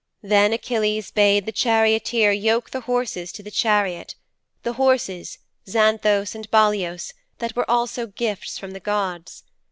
Then Achilles bade the charioteer yoke the horses to the chariot the horses, Xanthos and Balios, that were also gifts from the gods.